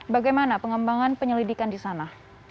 bagaimana pengembangan penyelidikan di sana